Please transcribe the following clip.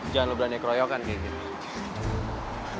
jangan berani keroyokan kayak gitu